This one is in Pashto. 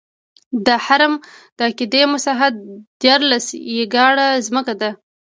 د هرم د قاعدې مساحت دیارلس ایکړه ځمکه ده.